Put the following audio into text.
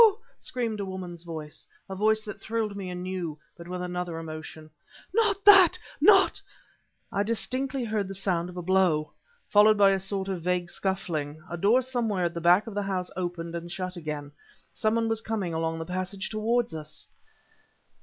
screamed a woman's voice a voice that thrilled me anew, but with another emotion "Not that, not " I distinctly heard the sound of a blow. Followed a sort of vague scuffling. A door somewhere at the back of the house opened and shut again. Some one was coming along the passage toward us!